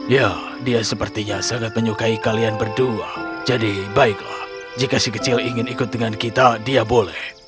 ya dia sepertinya sangat menyukai kalian berdua jadi baiklah jika si kecil ingin ikut dengan kita dia boleh